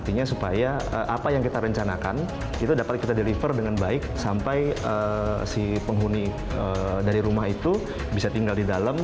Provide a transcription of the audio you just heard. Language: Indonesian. artinya supaya apa yang kita rencanakan itu dapat kita deliver dengan baik sampai si penghuni dari rumah itu bisa tinggal di dalam